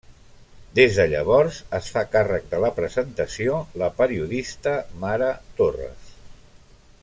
Des de llavors, es fa càrrec de la presentació la periodista Mara Torres.